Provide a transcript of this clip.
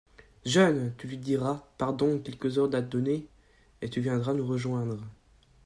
Jeune ! tu lui diras : "Pardon, quelques ordres à donner…" et tu viendras nous rejoindre.